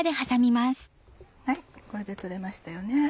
これで取れましたよね。